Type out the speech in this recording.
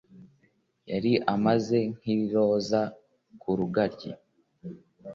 Yari ameze nk’iroza ku rugaryi,